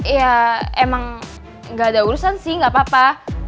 ya emang nggak ada urusan sih gak apa apa